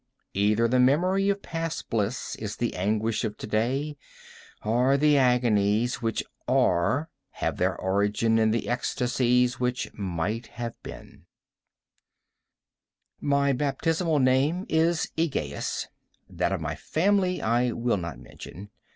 Either the memory of past bliss is the anguish of to day, or the agonies which are, have their origin in the ecstasies which might have been. My baptismal name is Egaeus; that of my family I will not mention.